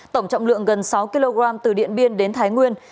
tổng trọng lượng gần sáu kg từ điện biên đến thái nguyên